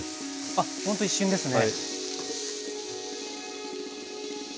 あっほんと一瞬ですね。